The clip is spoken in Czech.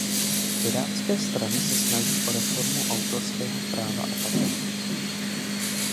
Pirátské strany se snaží o reformu autorského práva a patentů.